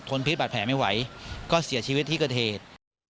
พิษบาดแผลไม่ไหวก็เสียชีวิตที่เกิดเหตุ